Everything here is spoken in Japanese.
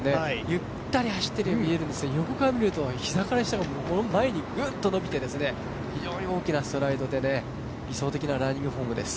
ゆったり走ってるように見えるんですけど、横から見ると膝から下が前にグッと伸びて、非常に大きなストライドで理想的なランニングフォームです。